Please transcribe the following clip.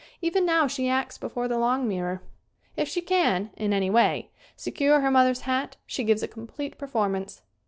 Even now she acts before the long mirror. If she can, in any way, secure her mother's hat she gives a complete performance.